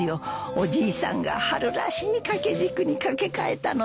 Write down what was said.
おじいさんが春らしい掛け軸に掛け替えたので。